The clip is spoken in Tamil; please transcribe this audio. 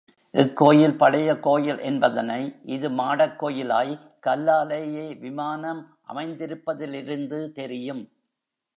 இக்கோயில் பழைய கோயில் என்பதனை, இது மாடக் கோயிலாய், கல்லாலேயே விமானம் அமைந்திருப்பதிலிருந்து தெரியும்.